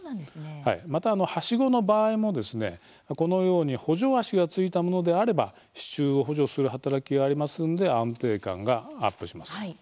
また、はしごの場合もこのように補助脚がついたものであれば支柱を補助する働きがありますので安定感がアップします。